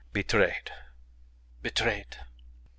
"Betrayed! Betrayed!"